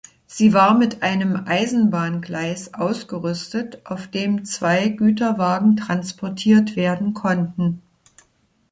Sie war mit einem Eisenbahngleis ausgerüstet, auf dem zwei Güterwagen transportiert werden konnten.